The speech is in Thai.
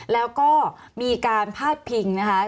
แล้วก็มีการพาดพิงนะคะ